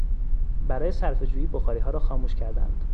برای صرفه جویی بخاریها را خاموش کردند.